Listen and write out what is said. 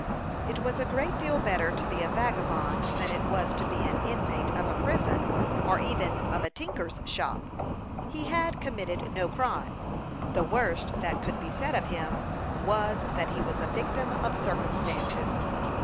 It was a great deal better to be a vagabond than it was to be an inmate of a prison, or even of a tinker's shop. He had committed no crime; the worst that could be said of him was, that he was a victim of circumstances.